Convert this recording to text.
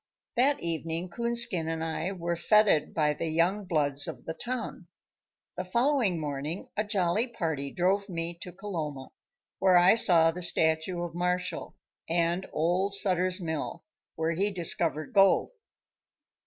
That evening Coonskin and I were fêted by the young "bloods" of the town. The following morning a jolly party drove me to Coloma, where I saw the statue of Marshall, and old Sutter's Mill, where he discovered gold.